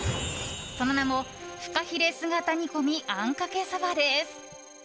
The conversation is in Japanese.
その名もフカヒレ姿煮込みあんかけそばです。